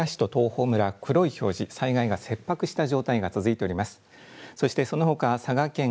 依然として福岡県の朝倉市と東峰村黒い表示、災害が切迫した状態が続いております。